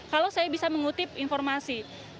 kalau saya bisa mengutip informasi